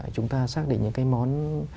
chúng ta xác định những cái món